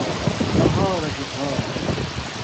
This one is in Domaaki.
بہرشُݸ خݳ